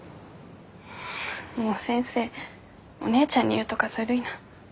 もう先生お姉ちゃんに言うとかずるいな。